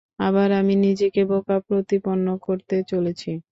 আবার আমি নিজেকে বোকা প্রতিপন্ন করতে চলেছি।